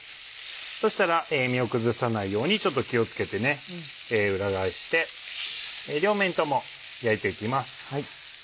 そうしたら身を崩さないようにちょっと気を付けて裏返して両面とも焼いて行きます。